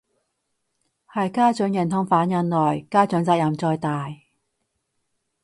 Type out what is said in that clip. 係家長認同反人類，家長責任最大